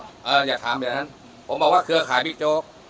ผมไม่ได้บอกพี่โจ๊กนะครับอย่าถามแบบนั้นผมบอกว่าเครือข่ายพี่โจ๊ก